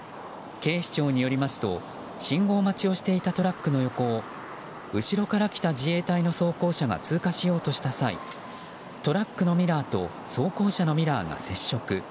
警視庁によりますと信号待ちをしていたトラックの横を後ろから来た自衛隊の装甲車が通過しようとした際トラックのミラーと装甲車のミラーが接触。